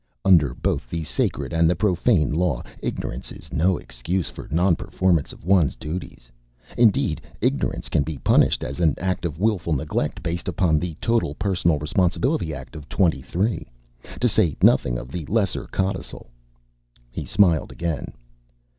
"Under both the sacred and the profane law, ignorance is no excuse for nonperformance of one's duties. Indeed, ignorance can be punished as an act of willful neglect, based upon the Total Personal Responsibility Act of '23, to say nothing of the Lesser Codicil." He smiled again.